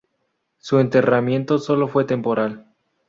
Su enterramiento fue sólo temporal.